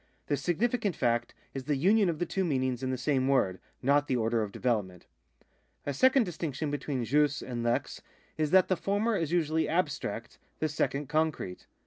The significant fact is the union of the two meanings in the same word, not the order of development. A second distinction between jus and lex is that the former is usually abstract, the second concrete.